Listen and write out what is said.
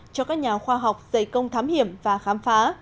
cho các nhà khoa học dày công thám hiểm và khám phá